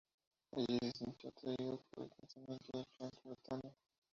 Allí se sintió atraído por el pensamiento de Franz Brentano.